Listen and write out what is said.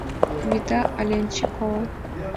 Вита АЛЕНЧИКОВА